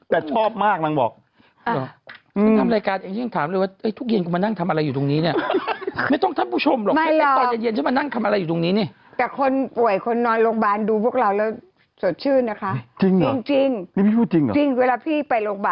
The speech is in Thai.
เขาก็จะเลือกรายการพวกเราดูแล้วก็เหมือนกับ